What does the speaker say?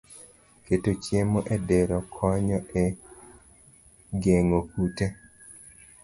Keto chiemo e dero konyo e geng'o kute